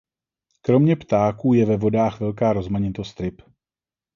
Kromě ptáků je ve vodách velká rozmanitost ryb.